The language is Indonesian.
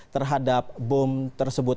terhadap bom tersebut